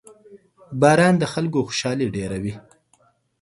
• باران د خلکو خوشحالي ډېروي.